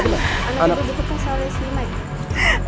anak ibu betul betul salah si mike